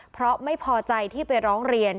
เพราะไม่พอใจที่ไปร้องเรียน